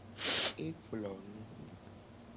E kplo nu.